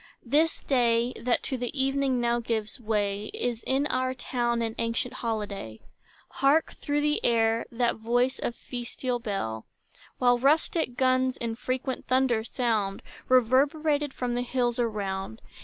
This day, that to the evening now gives way, Is in our town an ancient holiday. Hark, through the air, that voice of festal bell, While rustic guns in frequent thunders sound, Reverberated from the hills around.